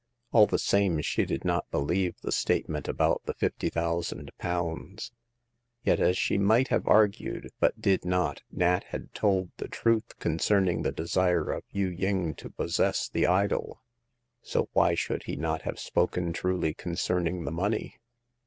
All the same, she did not believe the statement about the fifty thousand pounds. Yet, as she might have argued, but did not, Nat had told the truth concerning the desire of Yu ying to possess the idol, so why should he not have spoken truly concerning the money